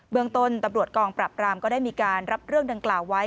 เมืองต้นตำรวจกองปรับรามก็ได้มีการรับเรื่องดังกล่าวไว้